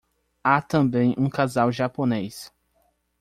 Há também um casal japonês